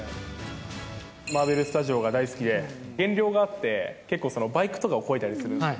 マーベルスタジオが大好きで、げんりょうがあって、結構バイクとかをこいだりするんですよ。